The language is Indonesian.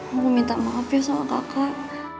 mau minta maaf ya sama kakak